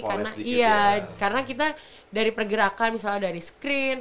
karena kita dari pergerakan misalnya dari screen